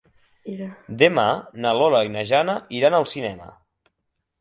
Demà na Lola i na Jana iran al cinema.